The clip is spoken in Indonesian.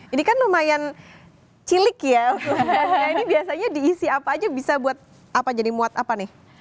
ini kan lumayan cilik ya ini biasanya diisi apa aja bisa buat apa jadi muat apa nih